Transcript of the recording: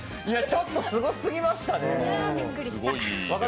ちょっとすごすぎましたね。